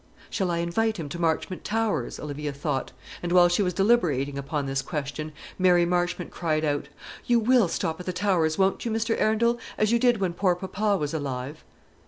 "Shall I invite him to Marchmont Towers?" Olivia thought; and while she was deliberating upon this question, Mary Marchmont cried out, "You will stop at the Towers, won't you, Mr. Arundel, as you did when poor papa was alive?"